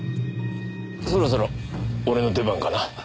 そろそろ俺の出番かな？